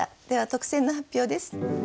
では特選の発表です。